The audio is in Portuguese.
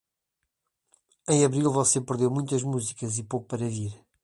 Em abril, você perdeu muitas músicas e pouco para vir.